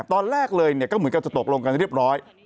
ตอนแรกเลยก็เหมือนกันจะตกลงกันเรียบร้อย